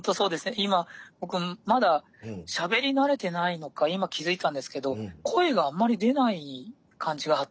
今僕まだしゃべりなれてないのか今気付いたんですけど声があんまり出ない感じがあって。